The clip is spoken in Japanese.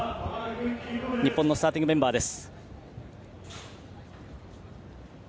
日本のスターティングメンバーです。